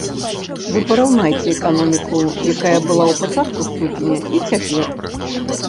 Вы параўнайце эканоміку, якая была ў пачатку студзеня, і цяпер!